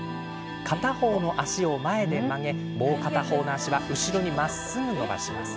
片方の足を前で曲げもう片方の足は後ろにまっすぐ伸ばします。